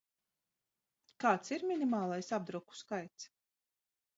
Kāds ir minimālais apdruku skaits?